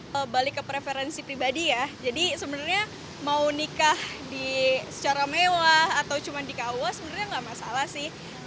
jadi ke preferensi pribadi ya jadi sebenarnya mau nikah secara mewah atau cuma di kua sebenarnya gak masalah sih